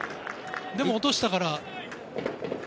でも落としたから。